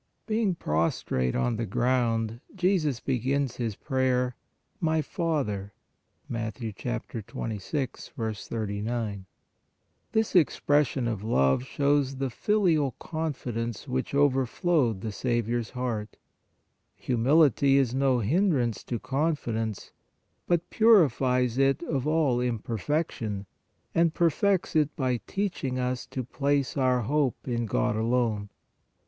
Being prostrate on the ground, Jesus begins His prayer: "My Father" (Mat. 26. 39). This expression of love shows the filial confidence which overflowed the Saviour s heart. Humility is no hindrance to confidence, but purifies it of all im perfection and perfects it by teaching us to place our hope in God alone.